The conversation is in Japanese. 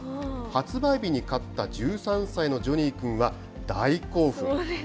発売日に買った１３歳のジョニー君は大興奮。